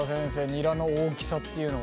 ニラの大きさっていうのは？